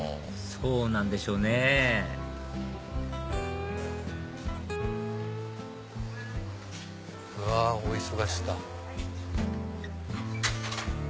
そうなんでしょうねうわ大忙しだ。